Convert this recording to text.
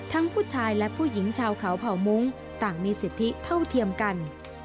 ผู้ชายและผู้หญิงชาวเขาเผ่ามุ้งต่างมีสิทธิเท่าเทียมกัน